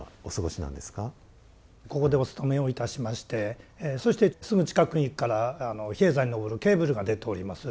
ここでお勤めをいたしましてそしてすぐ近くから比叡山に上るケーブルが出ております。